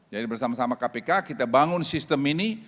jadi bersama sama kpk kita bangun sistem ini